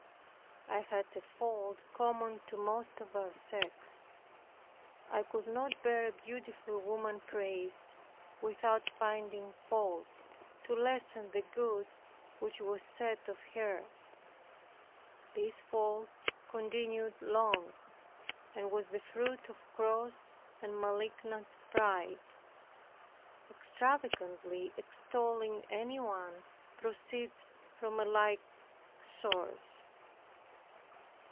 I had a fault common to most of our sex I could not hear a beautiful woman praised, without finding fault, to lessen the good which was said of her. This fault continued long, and was the fruit of gross and malignant pride. Extravagantly extolling anyone proceeds from a like source.